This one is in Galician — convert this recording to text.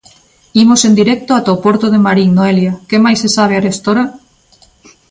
Imos en directo ata o porto de Marín, Noelia, que máis se sabe arestora?